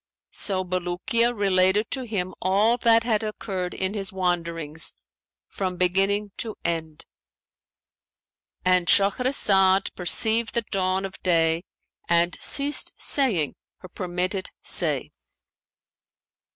So Bulukiya related to him all that had occurred in his wanderings from beginning to end."—And Shahrazad perceived the dawn of day and ceased saying her permitted say.